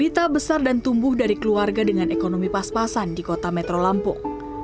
berita besar dan tumbuh dari keluarga dengan ekonomi pas pasan di kota metro lampung